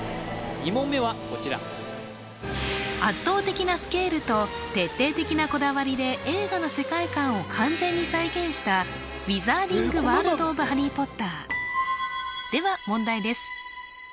２問目はこちら圧倒的なスケールと徹底的なこだわりで映画の世界観を完全に再現したウィザーディング・ワールド・オブ・ハリー・ポッターでは問題です